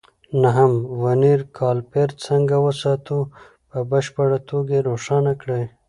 نهم: ورنیر کالیپر څنګه وساتو؟ په بشپړه توګه یې روښانه کړئ.